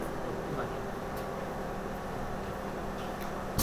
因此发现一个过渡期时候的类星体有重大的理论价值。